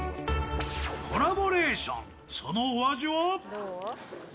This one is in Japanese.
コラボレーション、そのお味は？